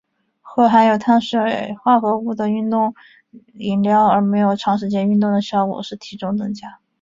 喝含有碳水化合物的运动饮料而没有长时间运动的效果是体重增加。